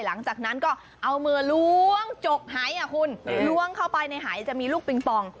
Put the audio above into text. หลังจากนั้นก็เอามือล้วงจกหายอ่ะคุณล้วงเข้าไปในหายจะมีลูกปิงปอง